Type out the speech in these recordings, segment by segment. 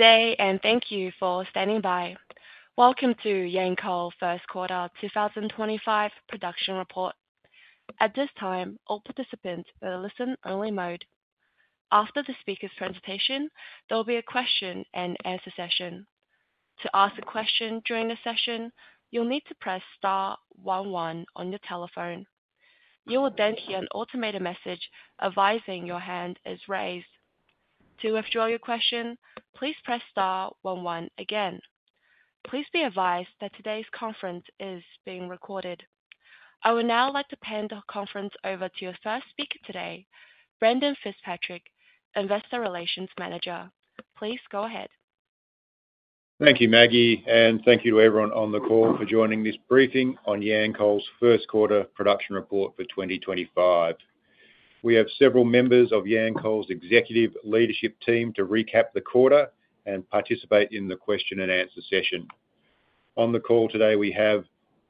Today, and thank you for standing by. Welcome to Yancoal First Quarter 2025 production report. At this time, all participants will listen only mode. After the speaker's presentation, there will be a question and answer session. To ask a question during the session, you'll need to press star one one on your telephone. You will then hear an automated message advising your hand is raised. To withdraw your question, please press star one one again. Please be advised that today's conference is being recorded. I would now like to hand the conference over to your first speaker today, Brendan Fitzpatrick, Investor Relations Manager. Please go ahead. Thank you, Maggie, and thank you to everyone on the call for joining this briefing on Yancoal's First Quarter production report for 2025. We have several members of Yancoal's executive leadership team to recap the quarter and participate in the question and answer session. On the call today, we have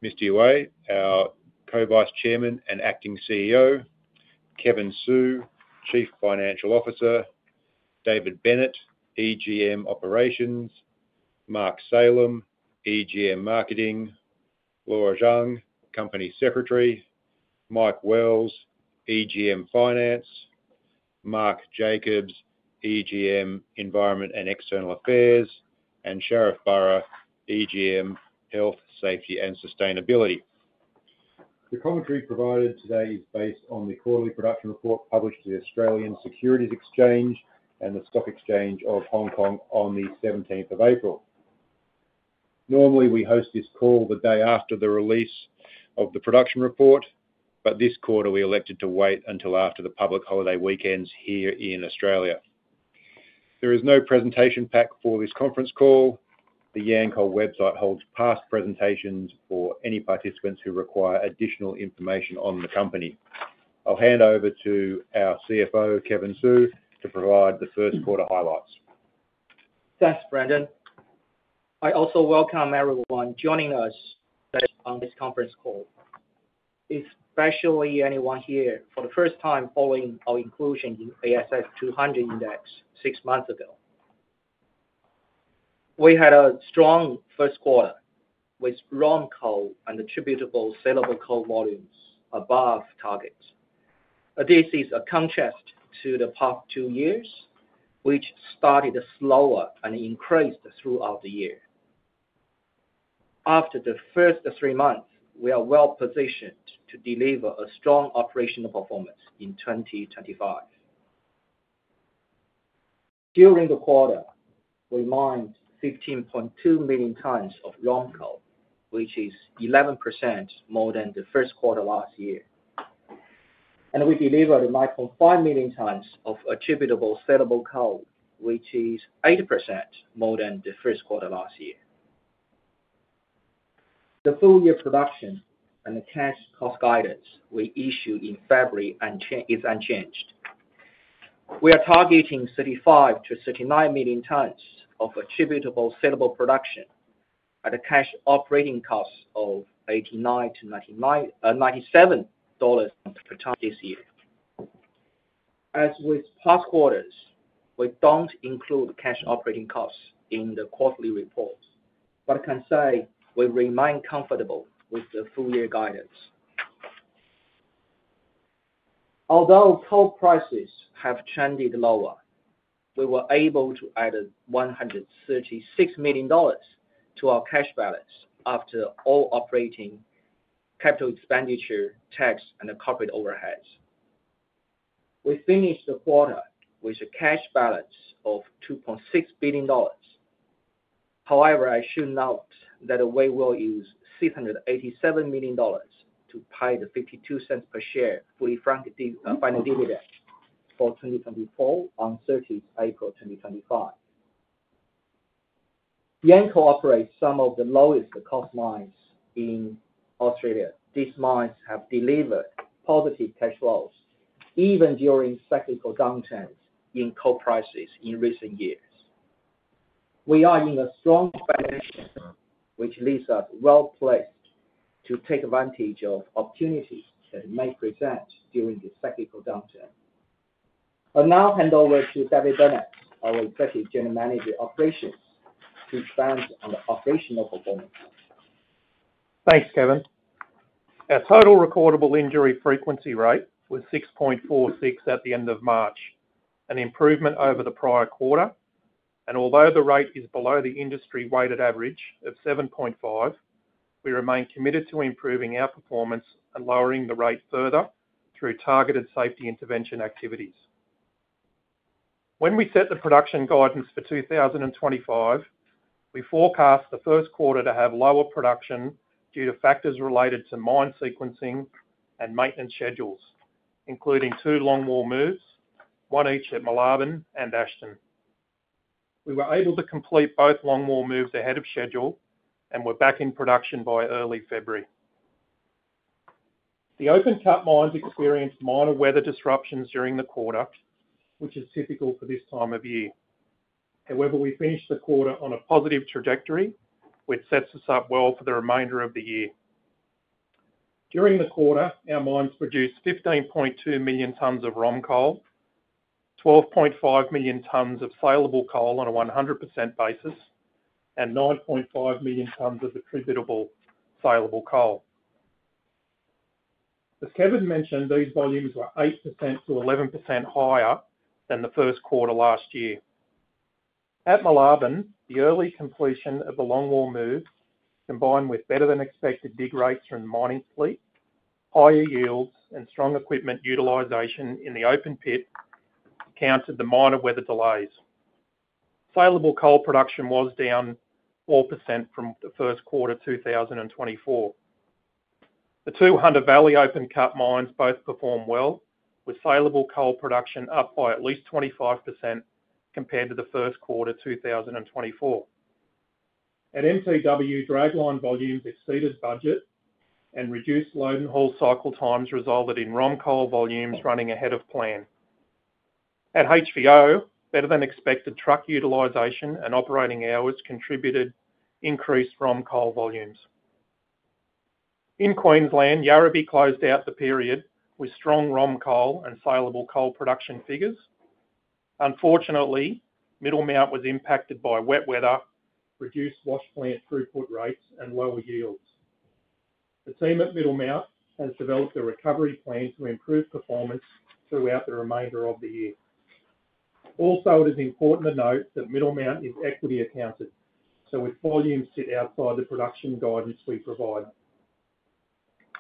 Mr. Yue, our Co-Vice Chairman and Acting CEO, Kevin Su, Chief Financial Officer, David Bennett, EGM Operations, Mark Salem, EGM Marketing, Laura Zhang, Company Secretary, Mike Wells, EGM Finance, Mark Jacobs, EGM Environment and External Affairs, and Sharif Burra, EGM Health, Safety, and Sustainability. The commentary provided today is based on the quarterly production report published to the Australian Securities Exchange and the Stock Exchange of Hong Kong on the 17th of April. Normally, we host this call the day after the release of the production report, but this quarter we elected to wait until after the public holiday weekends here in Australia. There is no presentation pack for this conference call. The Yancoal website holds past presentations for any participants who require additional information on the company. I'll hand over to our CFO, Kevin Su, to provide the first quarter highlights. Thanks, Brendan. I also welcome everyone joining us on this conference call, especially anyone here for the first time following our inclusion in the ASX 200 index six months ago. We had a strong first quarter with raw coal and attributable saleable coal volumes above targets. This is a contrast to the past two years, which started slower and increased throughout the year. After the first three months, we are well positioned to deliver a strong operational performance in 2025. During the quarter, we mined 15.2 million tons of raw coal, which is 11% more than the first quarter last year. We delivered 9.5 million tons of attributable saleable coal, which is 8% more than the first quarter last year. The full year production and the cash cost guidance we issued in February is unchanged. We are targeting 35-39 million tons of attributable saleable production at a cash operating cost of $89-$97 per ton this year. As with past quarters, we do not include cash operating costs in the quarterly report, but I can say we remain comfortable with the full year guidance. Although coal prices have trended lower, we were able to add $136 million to our cash balance after all operating capital expenditure, tax, and corporate overheads. We finished the quarter with a cash balance of $2.6 billion. However, I should note that we will use $687 million to pay the $0.52 per share fully funded final dividend for 2024 on 30th April 2025. Yancoal operates some of the lowest cost mines in Australia. These mines have delivered positive cash flows even during cyclical downturns in coal prices in recent years. We are in a strong financial position, which leaves us well placed to take advantage of opportunities that may present during the cyclical downturn. I'll now hand over to David Bennett, our Executive General Manager of Operations, to expand on the operational performance. Thanks, Kevin. Our total recordable injury frequency rate was 6.46 at the end of March, an improvement over the prior quarter. Although the rate is below the industry weighted average of 7.5%, we remain committed to improving our performance and lowering the rate further through targeted safety intervention activities. When we set the production guidance for 2025, we forecast the first quarter to have lower production due to factors related to mine sequencing and maintenance schedules, including two longwall moves, one each at Moolarben and Ashton. We were able to complete both longwall moves ahead of schedule and were back in production by early February. The open-cut mines experienced minor weather disruptions during the quarter, which is typical for this time of year. However, we finished the quarter on a positive trajectory, which sets us up well for the remainder of the year. During the quarter, our mines produced 15.2 million tons of raw coal, 12.5 million tons of saleable coal on a 100% basis, and 9.5 million tons of attributable saleable coal. As Kevin mentioned, these volumes were 8% to 11% higher than the first quarter last year. At Moolarben, the early completion of the longwall move, combined with better-than-expected dig rates from the mining fleet, higher yields, and strong equipment utilization in the open pit, accounted for the minor weather delays. Saleable coal production was down 4% from the first quarter 2024. The two Hunter Valley open-cut mines both performed well, with saleable coal production up by at least 25% compared to the first quarter 2024. At MTW, dragline volumes exceeded budget, and reduced load and haul cycle times resulted in raw coal volumes running ahead of plan. At HVO, better-than-expected truck utilization and operating hours contributed to increased raw coal volumes. In Queensland, Yarrabee closed out the period with strong raw coal and saleable coal production figures. Unfortunately, Middle Mount was impacted by wet weather, reduced wash plant throughput rates, and lower yields. The team at Middle Mount has developed a recovery plan to improve performance throughout the remainder of the year. Also, it is important to note that Middle Mount is equity accounted, so its volumes sit outside the production guidance we provide.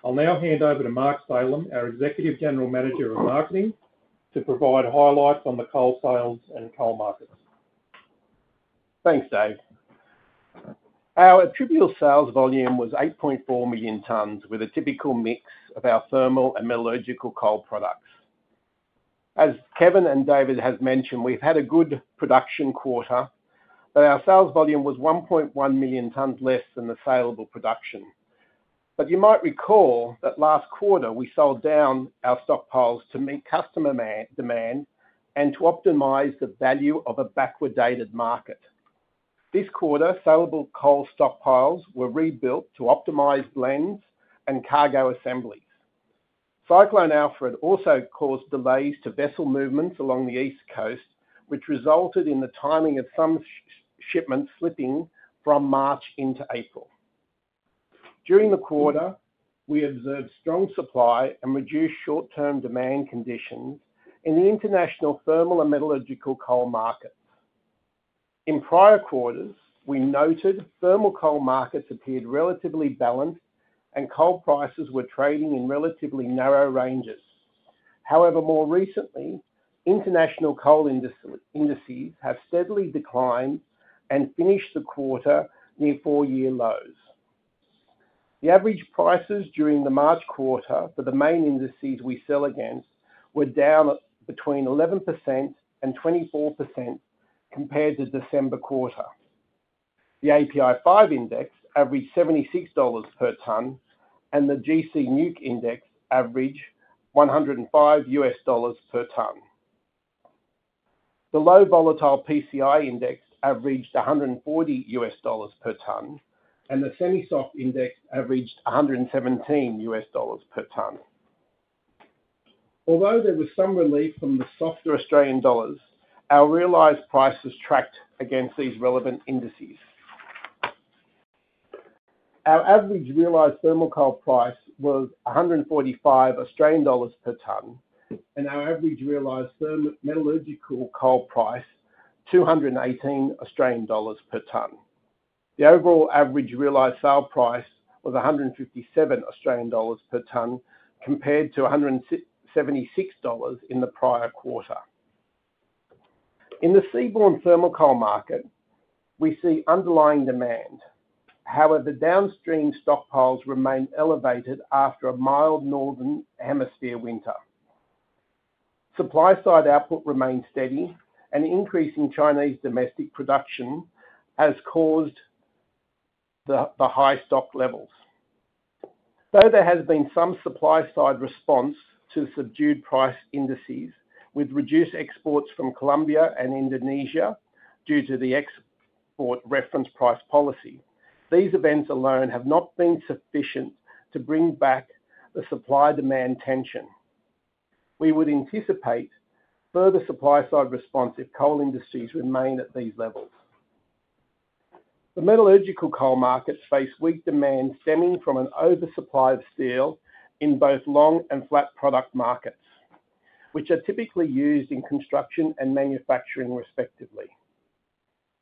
I'll now hand over to Mark Salem, our Executive General Manager of Marketing, to provide highlights on the coal sales and coal markets. Thanks, Dave. Our attributable sales volume was 8.4 million tons, with a typical mix of our thermal and metallurgical coal products. As Kevin and David have mentioned, we've had a good production quarter, but our sales volume was 1.1 million tons less than the saleable production. You might recall that last quarter we sold down our stockpiles to meet customer demand and to optimize the value of a backward-dated market. This quarter, saleable coal stockpiles were rebuilt to optimize blends and cargo assemblies. Cyclone Alfred also caused delays to vessel movements along the East Coast, which resulted in the timing of some shipments slipping from March into April. During the quarter, we observed strong supply and reduced short-term demand conditions in the international thermal and metallurgical coal markets. In prior quarters, we noted thermal coal markets appeared relatively balanced, and coal prices were trading in relatively narrow ranges. However, more recently, international coal indices have steadily declined and finished the quarter near four-year lows. The average prices during the March quarter for the main indices we sell against were down between 11% and 24% compared to December quarter. The API-5 index averaged $76 per ton, and the GCNewc index averaged $105 per ton. The low volatile PCI index averaged $140 per ton, and the semi-soft index averaged $117 per ton. Although there was some relief from the softer Australian dollar, our realized prices tracked against these relevant indices. Our average realized thermal coal price was $145 per ton, and our average realized metallurgical coal price, $218 per ton. The overall average realized sale price was $157 per ton compared to $176 in the prior quarter. In the seaborne thermal coal market, we see underlying demand. However, downstream stockpiles remain elevated after a mild northern hemisphere winter. Supply-side output remains steady, and increasing Chinese domestic production has caused the high stock levels. Though there has been some supply-side response to subdued price indices, with reduced exports from Colombia and Indonesia due to the export reference price policy, these events alone have not been sufficient to bring back the supply-demand tension. We would anticipate further supply-side response if coal indices remain at these levels. The metallurgical coal markets face weak demand stemming from an oversupply of steel in both long and flat product markets, which are typically used in construction and manufacturing, respectively.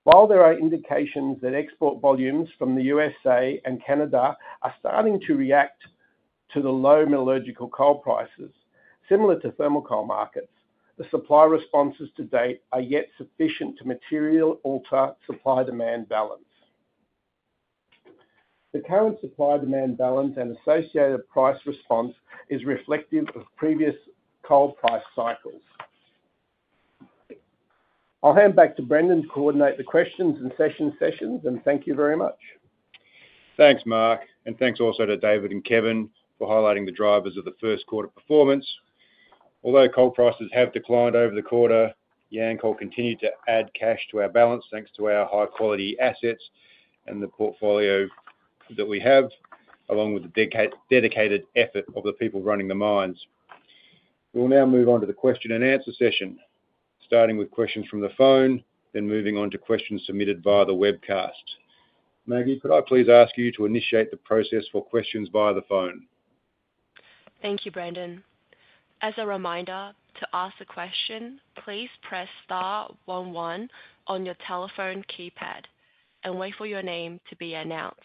While there are indications that export volumes from the USA and Canada are starting to react to the low metallurgical coal prices, similar to thermal coal markets, the supply responses to date are yet sufficient to materially alter supply-demand balance. The current supply-demand balance and associated price response is reflective of previous coal price cycles. I'll hand back to Brendan to coordinate the questions and session sessions, and thank you very much. Thanks, Mark, and thanks also to David and Kevin for highlighting the drivers of the first quarter performance. Although coal prices have declined over the quarter, Yancoal continued to add cash to our balance thanks to our high-quality assets and the portfolio that we have, along with the dedicated effort of the people running the mines. We will now move on to the question-and-answer session, starting with questions from the phone, then moving on to questions submitted via the webcast. Maggie, could I please ask you to initiate the process for questions via the phone? Thank you, Brendan. As a reminder, to ask a question, please press star one one on your telephone keypad and wait for your name to be announced.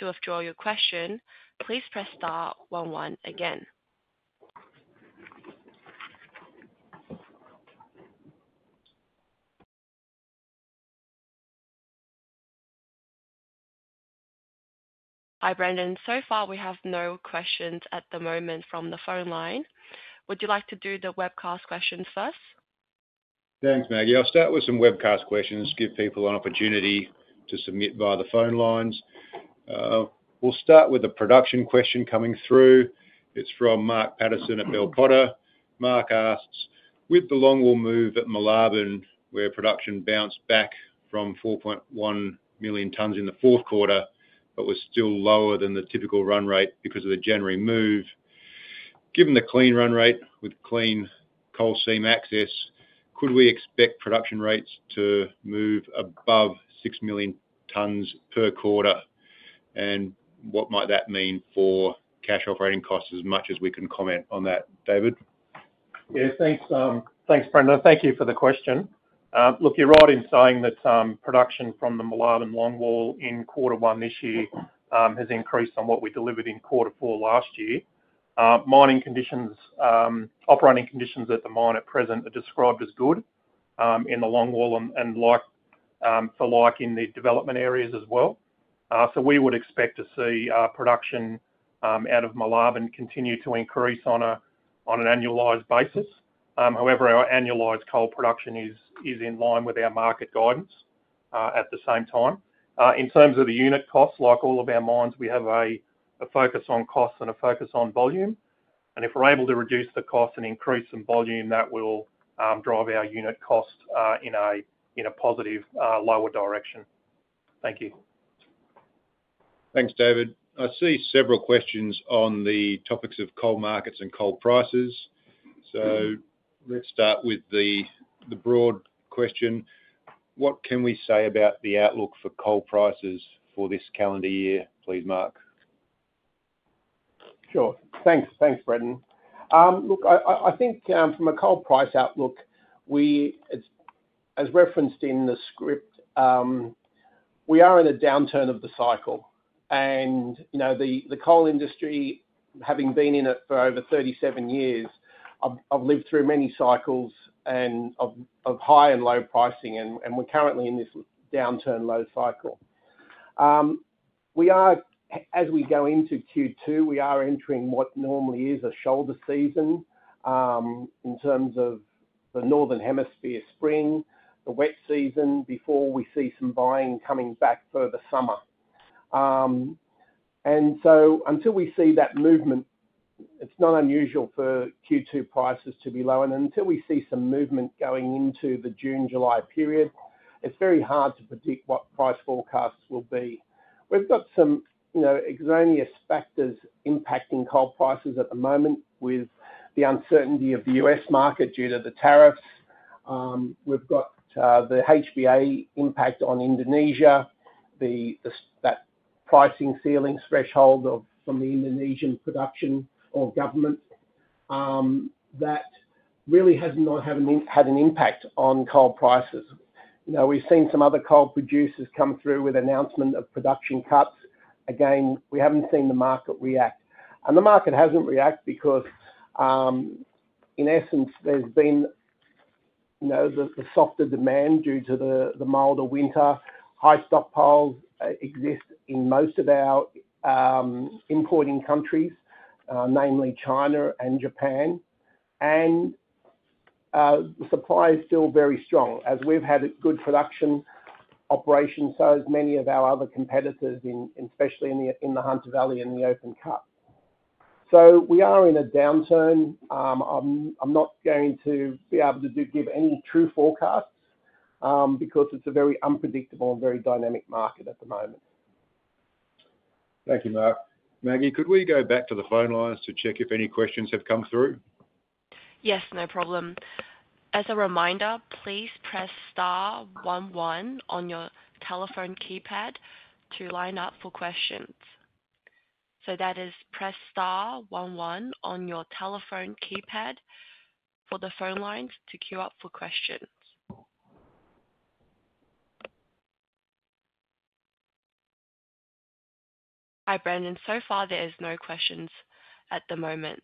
To withdraw your question, please press star one one again. Hi, Brendan. So far, we have no questions at the moment from the phone line. Would you like to do the webcast questions first? Thanks, Maggie. I'll start with some webcast questions to give people an opportunity to submit via the phone lines. We'll start with a production question coming through. It's from Mark Patterson at Bell Potter. Mark asks, "With the longwall move at Moolarben where production bounced back from 4.1 million tons in the fourth quarter, but was still lower than the typical run rate because of the January move, given the clean run rate with clean coal seam access, could we expect production rates to move above 6 million tons per quarter? And what might that mean for cash operating costs?" As much as we can comment on that, David. Yeah, thanks, Brendan. Thank you for the question. Look, you're right in saying that production from the Moolarben longwall in quarter one this year has increased on what we delivered in quarter four last year. Mining conditions, operating conditions at the mine at present are described as good in the longwall and for like in the development areas as well. We would expect to see production out of Moolarben continue to increase on an annualized basis. However, our annualized coal production is in line with our market guidance at the same time. In terms of the unit costs, like all of our mines, we have a focus on costs and a focus on volume. If we're able to reduce the costs and increase some volume, that will drive our unit costs in a positive, lower direction. Thank you. Thanks, David. I see several questions on the topics of coal markets and coal prices. Let's start with the broad question. What can we say about the outlook for coal prices for this calendar year? Please, Mark. Sure. Thanks, Brendan. Look, I think from a coal price outlook, as referenced in the script, we are in a downturn of the cycle. The coal industry, having been in it for over 37 years, I've lived through many cycles of high and low pricing, and we're currently in this downturn load cycle. As we go into Q2, we are entering what normally is a shoulder season in terms of the northern hemisphere spring, the wet season before we see some buying coming back for the summer. Until we see that movement, it's not unusual for Q2 prices to be lower. Until we see some movement going into the June-July period, it's very hard to predict what price forecasts will be. We've got some exogenous factors impacting coal prices at the moment with the uncertainty of the U.S. market due to the tariffs. We've got the HBA impact on Indonesia, that pricing ceiling threshold from the Indonesian production or government that really has not had an impact on coal prices. We've seen some other coal producers come through with announcements of production cuts. Again, we haven't seen the market react. The market hasn't react because, in essence, there's been the softer demand due to the milder winter. High stockpiles exist in most of our importing countries, namely China and Japan. The supply is still very strong. We've had good production operations, as have many of our other competitors, especially in the Hunter Valley and the open-cut. We are in a downturn. I'm not going to be able to give any true forecasts because it's a very unpredictable and very dynamic market at the moment. Thank you, Mark. Maggie, could we go back to the phone lines to check if any questions have come through? Yes, no problem. As a reminder, please press star one one on your telephone keypad to line up for questions. That is, press star one one on your telephone keypad for the phone lines to queue up for questions. Hi, Brendan. So far, there are no questions at the moment.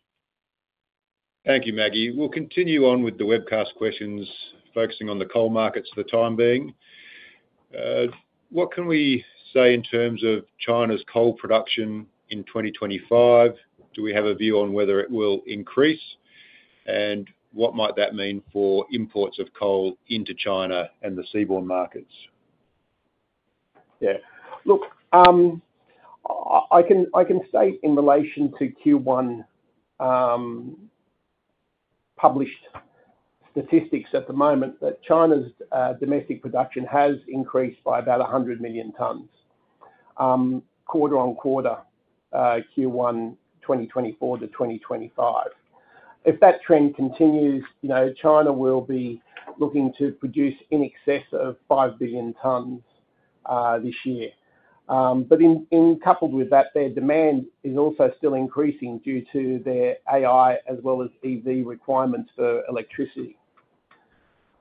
Thank you, Maggie. We'll continue on with the webcast questions, focusing on the coal markets for the time being. What can we say in terms of China's coal production in 2025? Do we have a view on whether it will increase? What might that mean for imports of coal into China and the seaborne markets? Yeah. Look, I can state in relation to Q1 published statistics at the moment that China's domestic production has increased by about 100 million tons quarter on quarter Q1 2024 to 2025. If that trend continues, China will be looking to produce in excess of 5 billion tons this year. Coupled with that, their demand is also still increasing due to their AI as well as EV requirements for electricity.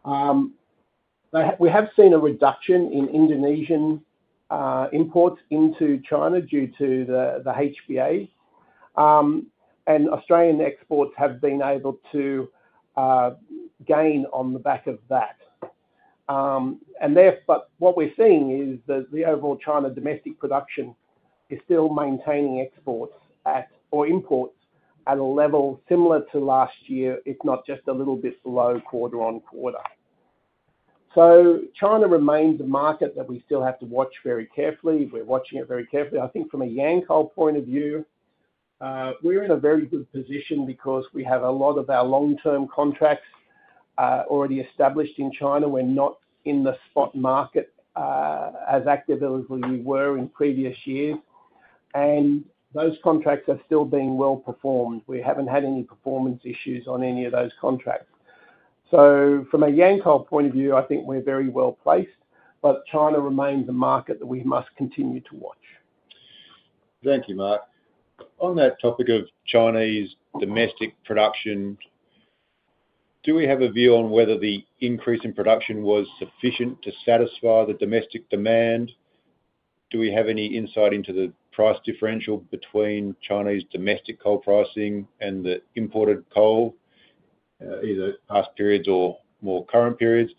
We have seen a reduction in Indonesian imports into China due to the HBA. Australian exports have been able to gain on the back of that. What we're seeing is that the overall China domestic production is still maintaining exports or imports at a level similar to last year, if not just a little bit below quarter on quarter. China remains a market that we still have to watch very carefully. We're watching it very carefully. I think from a Yancoal point of view, we're in a very good position because we have a lot of our long-term contracts already established in China. We're not in the spot market as active as we were in previous years. Those contracts are still being well performed. We haven't had any performance issues on any of those contracts. From a Yancoal point of view, I think we're very well placed. China remains a market that we must continue to watch. Thank you, Mark. On that topic of Chinese domestic production, do we have a view on whether the increase in production was sufficient to satisfy the domestic demand? Do we have any insight into the price differential between Chinese domestic coal pricing and the imported coal, either past periods or more current periods?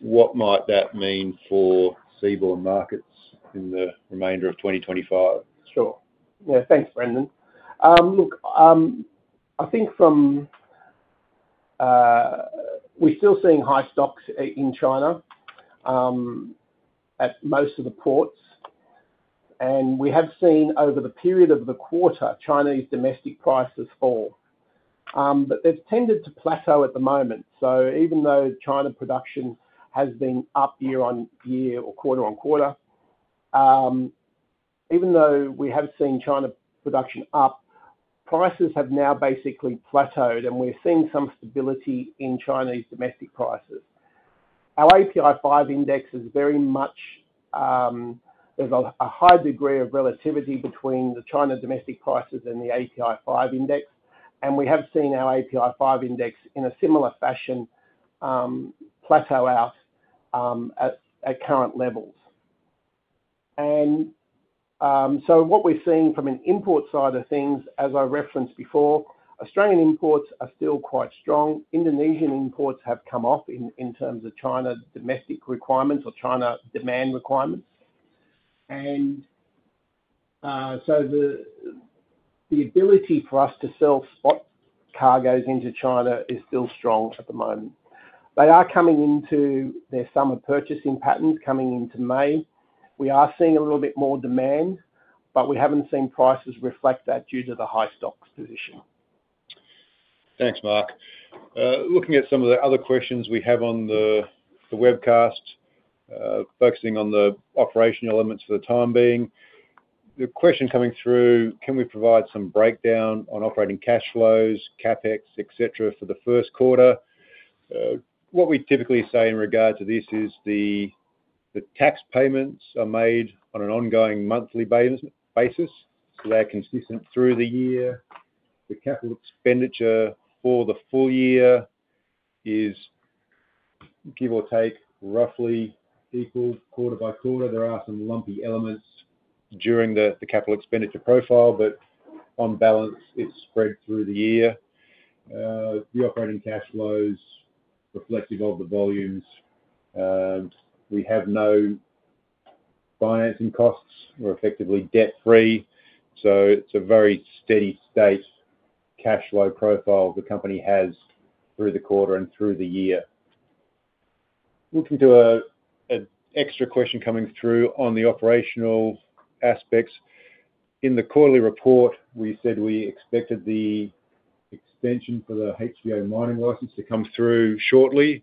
What might that mean for seaborne markets in the remainder of 2025? Sure. Yeah, thanks, Brendan. Look, I think we're still seeing high stocks in China at most of the ports. We have seen over the period of the quarter, Chinese domestic prices fall. They have tended to plateau at the moment. Even though China production has been up year on year or quarter on quarter, even though we have seen China production up, prices have now basically plateaued. We're seeing some stability in Chinese domestic prices. Our API-5 index is very much, there's a high degree of relativity between the China domestic prices and the API-5 index. We have seen our API-5 index in a similar fashion plateau out at current levels. What we're seeing from an import side of things, as I referenced before, Australian imports are still quite strong. Indonesian imports have come off in terms of China domestic requirements or China demand requirements. The ability for us to sell spot cargoes into China is still strong at the moment. They are coming into their summer purchasing patterns, coming into May. We are seeing a little bit more demand, but we have not seen prices reflect that due to the high stocks position. Thanks, Mark. Looking at some of the other questions we have on the webcast, focusing on the operational elements for the time being, the question coming through, "Can we provide some breakdown on operating cash flows, CapEx, etc. for the first quarter?" What we typically say in regard to this is the tax payments are made on an ongoing monthly basis. They are consistent through the year. The capital expenditure for the full year is, give or take, roughly equal quarter by quarter. There are some lumpy elements during the capital expenditure profile, but on balance, it is spread through the year. The operating cash flows are reflective of the volumes. We have no financing costs. We are effectively debt-free. It is a very steady state cash flow profile the company has through the quarter and through the year. Looking to an extra question coming through on the operational aspects. In the quarterly report, we said we expected the extension for the HVO mining license to come through shortly.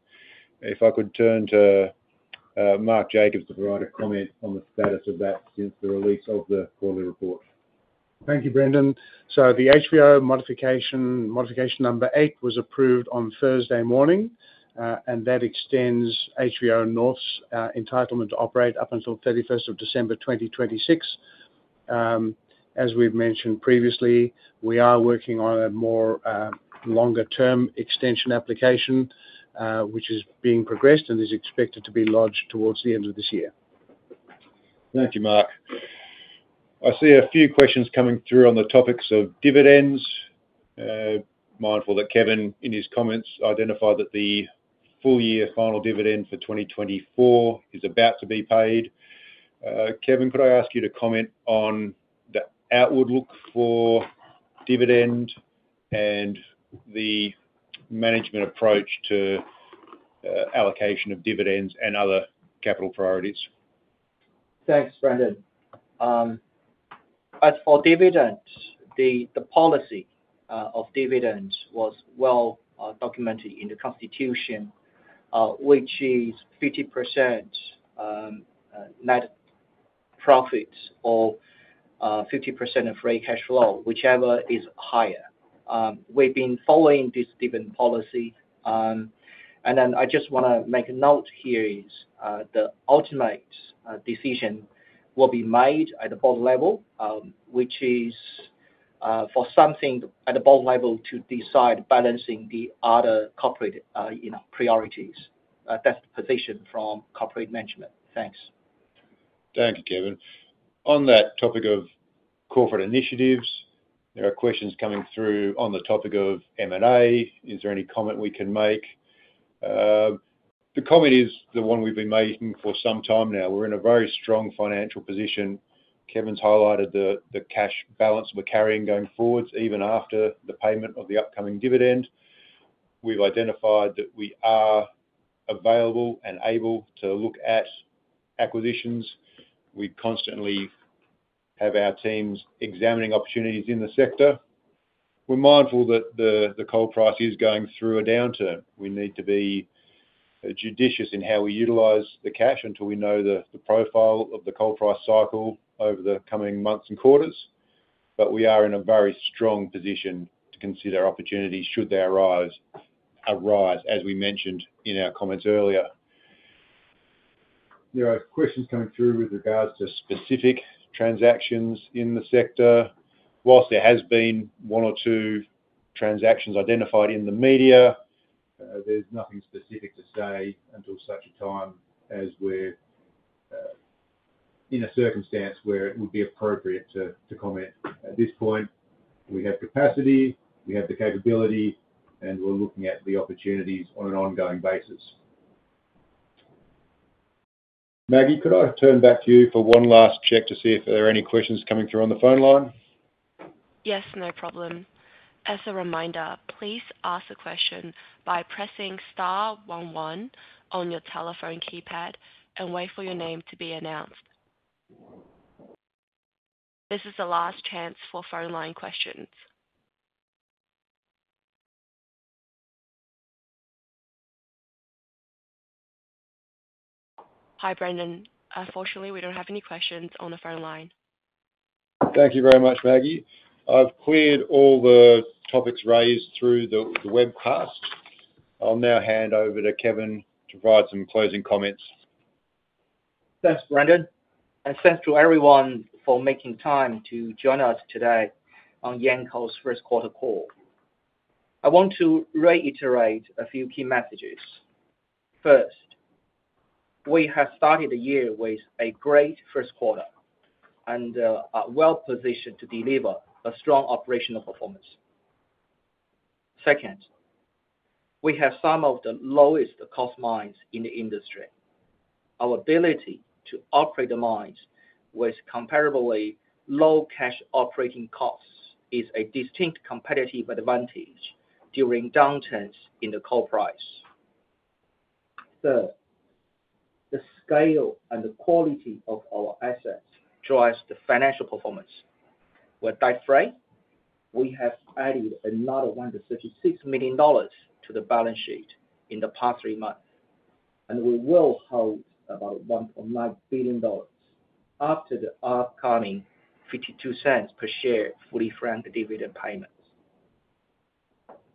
If I could turn to Mark Jacobs to provide a comment on the status of that since the release of the quarterly report. Thank you, Brendan. The HVO modification number eight was approved on Thursday morning. That extends HVO North's entitlement to operate up until 31st of December 2026. As we've mentioned previously, we are working on a more longer-term extension application, which is being progressed and is expected to be lodged towards the end of this year. Thank you, Mark. I see a few questions coming through on the topics of dividends. Mindful that Kevin in his comments identified that the full-year final dividend for 2024 is about to be paid. Kevin, could I ask you to comment on the outward look for dividend and the management approach to allocation of dividends and other capital priorities? Thanks, Brendan. As for dividends, the policy of dividends was well documented in the constitution, which is 50% net profit or 50% of raw cash flow, whichever is higher. We've been following this dividend policy. I just want to make a note here is the ultimate decision will be made at the board level, which is for something at the board level to decide balancing the other corporate priorities. That's the position from corporate management. Thanks. Thank you, Kevin. On that topic of corporate initiatives, there are questions coming through on the topic of M&A. Is there any comment we can make? The comment is the one we've been making for some time now. We're in a very strong financial position. Kevin's highlighted the cash balance we're carrying going forwards, even after the payment of the upcoming dividend. We've identified that we are available and able to look at acquisitions. We constantly have our teams examining opportunities in the sector. We're mindful that the coal price is going through a downturn. We need to be judicious in how we utilize the cash until we know the profile of the coal price cycle over the coming months and quarters. We are in a very strong position to consider opportunities should they arise, as we mentioned in our comments earlier. There are questions coming through with regards to specific transactions in the sector. Whilst there has been one or two transactions identified in the media, there's nothing specific to say until such a time as we're in a circumstance where it would be appropriate to comment. At this point, we have capacity, we have the capability, and we're looking at the opportunities on an ongoing basis. Maggie, could I turn back to you for one last check to see if there are any questions coming through on the phone line? Yes, no problem. As a reminder, please ask the question by pressing star one one on your telephone keypad and wait for your name to be announced. This is the last chance for phone line questions. Hi, Brendan. Unfortunately, we don't have any questions on the phone line. Thank you very much, Maggie. I've cleared all the topics raised through the webcast. I'll now hand over to Kevin to provide some closing comments. Thanks, Brendan. Thanks to everyone for making time to join us today on Yancoal's first quarter call. I want to reiterate a few key messages. First, we have started the year with a great first quarter and are well positioned to deliver a strong operational performance. Second, we have some of the lowest cost mines in the industry. Our ability to operate the mines with comparably low cash operating costs is a distinct competitive advantage during downturns in the coal price. Third, the scale and the quality of our assets drives the financial performance. With that frame, we have added another $136 million to the balance sheet in the past three months. We will hold about 1.9 billion dollars after the upcoming 0.52 per share fully funded dividend payments.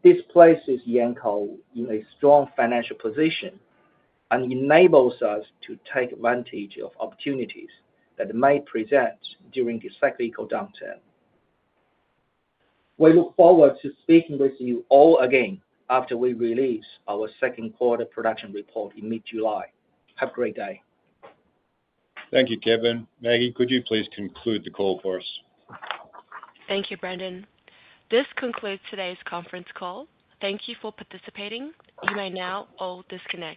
This places Yancoal in a strong financial position and enables us to take advantage of opportunities that may present during the cyclical downturn. We look forward to speaking with you all again after we release our second quarter production report in mid-July. Have a great day. Thank you, Kevin. Maggie, could you please conclude the call for us? Thank you, Brendan. This concludes today's conference call. Thank you for participating. You may now all disconnect.